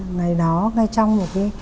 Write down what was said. ngày đó ngay trong một cái